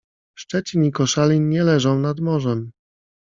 Szczecin i Koszalin nie leżą nad morzem.